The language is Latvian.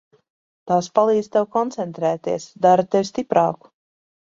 Tās palīdz tev koncentrēties, dara tevi stiprāku.